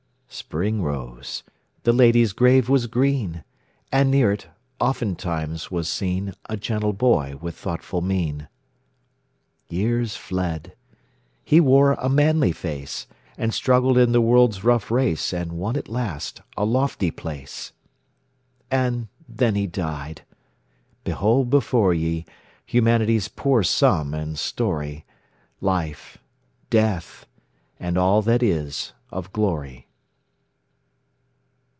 Spring rose; the lady's grave was green; And near it, oftentimes, was seen A gentle boy with thoughtful mien. Years fled; he wore a manly face, And struggled in the world's rough race, And won at last a lofty place. And then he died! Behold before ye Humanity's poor sum and story; Life, Death, and all that is of glory.